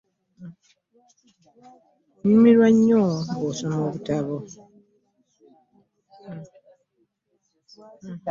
Nyumirwa nnyo nga nsoma obutabo.